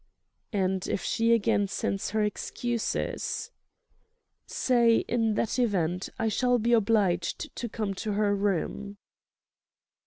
"And if she again sends her excuses?" "Say, in that event, I shall be obliged to come to her room."